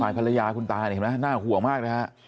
ภรรยาคุณตาเนี่ยเห็นไหมน่าห่วงมากนะฮะ